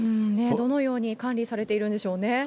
どのように管理されているんでしょうかね。